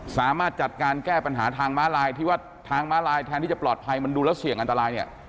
สามารถจัดการแก้ปัญหาทางม้าลายที่ว่าทางม้าลายแทนที่จะปลอดภัยมันดูแล้วเสี่ยงอันตรายเนี่ย